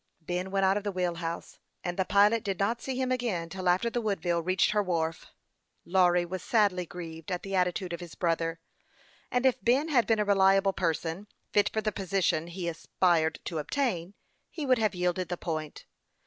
Ben went out of the wheel house, and the pilot did not see him again till after the Woodville reached her wharf. Lawry was sadly grieved at the attitude of his brother ; and if Ben had been a reliable per son, fit for the position he aspired to obtain, he THE YOUNG PILOT OF LAKE CHAMPLAIN. 215 would have yielded the point.